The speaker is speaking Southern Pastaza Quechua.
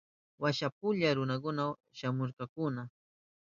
Washapuralla runakuna shamurkakuna.